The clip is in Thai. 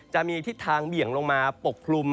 จะมีทิศทางเบี่ยงลงมาปกคลุม